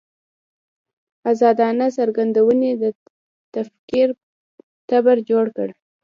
ازادانه څرګندونې د تکفیر تبر جوړ کړ.